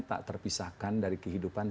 tak terpisahkan dari kehidupan